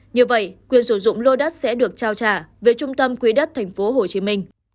như vậy quyền sử dụng lô đất sẽ được trao trả về trung tâm quỹ đất tp hcm